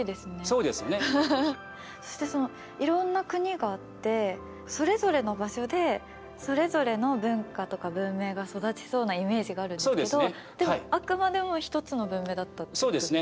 そしていろんな国があってそれぞれの場所でそれぞれの文化とか文明が育ちそうなイメージがあるんですけどでもあくまでも１つの文明だったということですか？